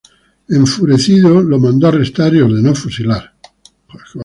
Enfurecido, lo mandó arrestar y ordenó fusilarlo.